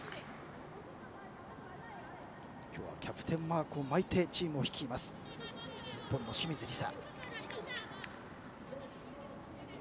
今日はキャプテンマークを巻いてチームを率いる日本の清水梨紗。